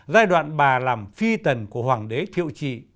giai đoạn bà làm phi tần của hoàng đế thiệu trị